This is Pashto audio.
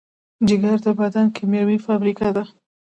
جگر د بدن کیمیاوي فابریکه ده.